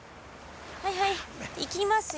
はいはい行きますよ。